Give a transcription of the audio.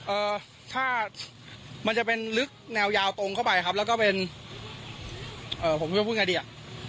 เอ่อถ้ามันจะเป็นลึกแนวยาวตรงเข้าไปครับแล้วก็เป็นเอ่อผมคิดว่าพูดไงดีอ่ะ